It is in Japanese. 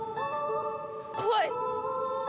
怖い。